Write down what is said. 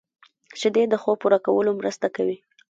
شیدې د خوب پوره کولو مرسته کوي